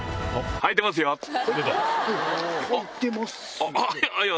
はいてますよね？